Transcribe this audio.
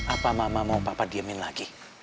apa mama mau papa diemin lagi